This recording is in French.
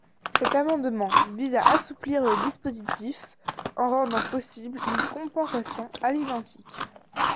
Cet amendement vise à assouplir le dispositif en rendant possible une compensation à l’identique.